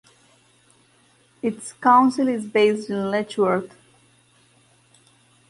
Its council is based in Letchworth.